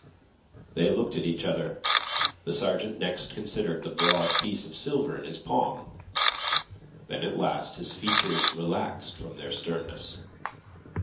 They looked at each other. The sergeant next considered the broad piece of silver in his palm. Then at last his features relaxed from their sternness.